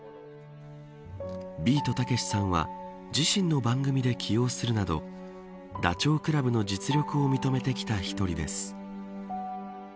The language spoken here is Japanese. ビートたけしさんは自身の番組で起用するなどダチョウ倶楽部の実力を認めてきた一人です。